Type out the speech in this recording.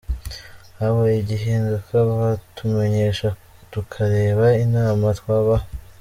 Habaye igihinduka batumenyesha tukareba inama twabaha.